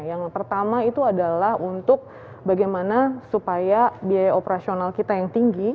yang pertama itu adalah untuk bagaimana supaya biaya operasional kita yang tinggi